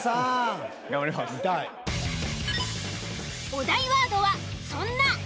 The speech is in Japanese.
お題ワードは「そんな」。